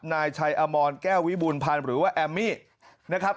นายชัยอมรแก้ววิบูรพันธ์หรือว่าแอมมี่นะครับ